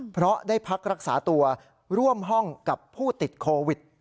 เพราะได้พักรักษาตัวร่วมห้องกับผู้ติดโควิด